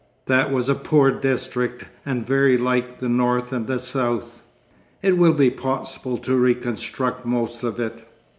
That was a poor district and very like the north and the south.... It will be possible to reconstruct most of it....